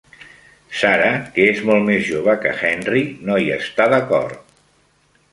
Sarah, que és molt més jove que Henry, no hi està d'acord.